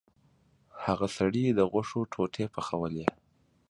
هغه سړي د غوښو ټوټې پخولې.